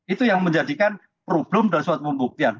itu yang menjadikan problem dari suatu pembuktian